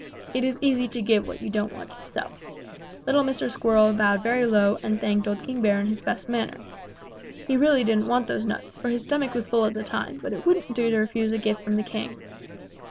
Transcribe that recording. It is easy to give what you don't want yourself. Little Mr. Squirrel bowed very low and thanked old King Bear in his best manner. He really didn't want those nuts, for his stomach was full at the time, but it wouldn't do to refuse a gift from the king.